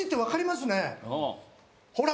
ほら！